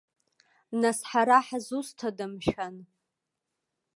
Нас, ҳара ҳазусҭада, мшәан?!